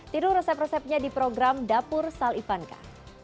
tidur resep resepnya di program dapur sal ivanka